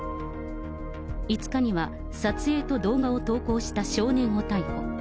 ５日には、撮影と動画を投稿した少年を逮捕。